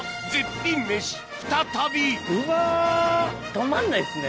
止まんないですね。